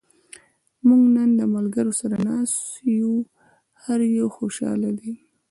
موږ نن د ملګرو سره ناست یو. هر یو خوشحاله دا.